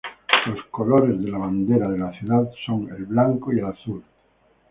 Los colores de la bandera de la ciudad son el blanco y el azul.